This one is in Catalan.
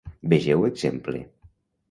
Vegeu exemple.